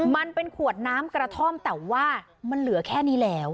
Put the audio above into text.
มันเป็นขวดน้ำกระท่อมแต่ว่ามันเหลือแค่นี้แล้ว